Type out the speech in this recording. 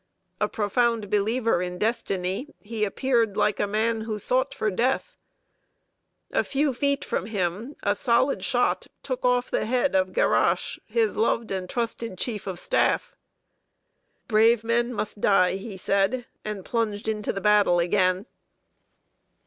A profound believer in destiny, he appeared like a man who sought for death. A few feet from him, a solid shot took off the head of Garasche, his loved and trusted chief of staff. "Brave men must die," he said, and plunged into the battle again.